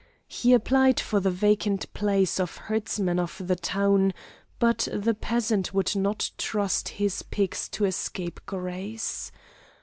He applied for the vacant place of herdsman of the town, but the peasant would not trust his pigs to a scape grace.